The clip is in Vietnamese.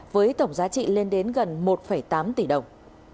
với tổng giá trị lên đến gần một tám tỷ đồng